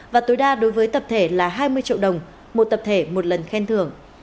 và tối đa đối với tập thể là hai mươi triệu đồng một tập thể một lần khen thưởng